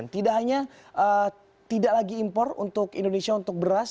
tidak hanya tidak lagi impor untuk indonesia untuk beras